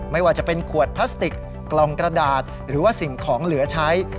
ไม่ว่าจะเป็นขวดพลาสติกกล่องกระดาษหรือว่าสิ่งของเหลือใช้